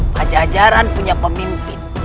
pajajaran punya pemimpin